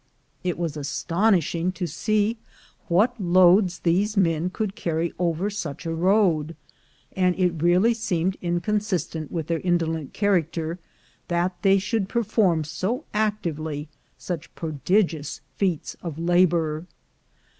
It was aston ishing to see what loads these men could carry over such a road ; and it really seemed inconsistent with their indolent character, that they should perform, so actively, such prodigious feats of labor.